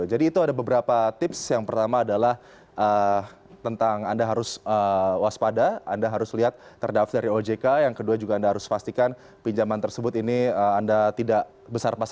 jadi itu ada beberapa tips yang pertama adalah tentang anda harus waspada anda harus lihat terdaftar dari ojk yang kedua juga anda harus pastikan pinjaman tersebut ini anda tidak besar pasak dana